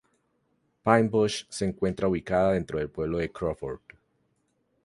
Pine Bush se encuentra ubicada dentro del pueblo de Crawford.